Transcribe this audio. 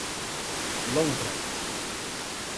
Lontra